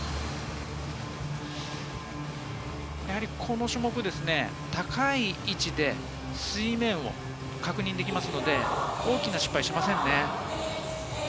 この種目、高い位置で水面を確認できますので大きな失敗はしませんね。